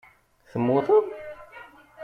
Temmuteḍ?